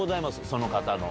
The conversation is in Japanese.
その方の。